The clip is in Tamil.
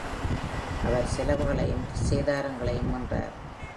அவர் செலவுகளையும், சேதாரங்களையும் வென்றார்.